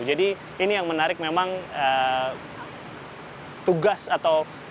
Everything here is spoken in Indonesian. ini yang menarik memang tugas atau